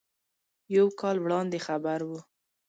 یو کال وړاندې خبر و.